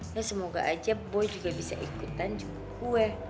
ya semoga aja boy juga bisa ikutan cukup gue